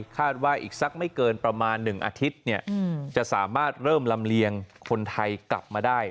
คาดว่าอีกสักไม่เกินประมาณ๑อาทิตย์จะสามารถเริ่มลำเลียงคนไทยกลับมาได้